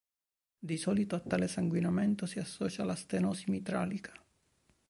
Di solito a tale sanguinamento si associa la stenosi mitralica.